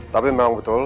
tapi memang betul